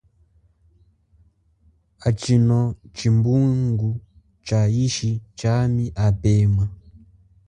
Atshino tshimbungu tsha yishi jami apema.